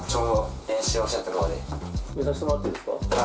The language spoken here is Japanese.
見させてもらっていいですか？